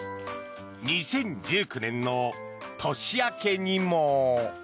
２０１９年の年明けにも。